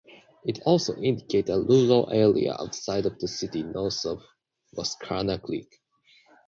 It also included a rural area outside of the city north of Wascana Creek.